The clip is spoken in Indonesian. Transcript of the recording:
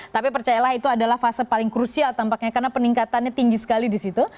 tapi percayalah itu adalah fase paling krusial tampaknya karena peningkatannya tinggi sekali di situ